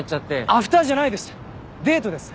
アフターじゃないですデートです